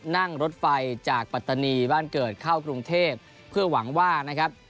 นั่งรถไฟจากปัตตานีบ้านเกิดเข้ากรุงเทพเพื่อหวังว่านะครับ